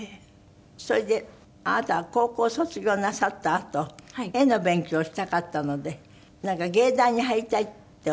それであなたが高校を卒業なさったあと絵の勉強をしたかったのでなんか芸大に入りたいってお思いになった？